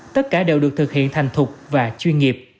tất cả đều được thực hiện thành thục và chuyên nghiệp